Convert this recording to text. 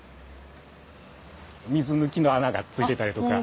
水抜きの穴がついてたりとか。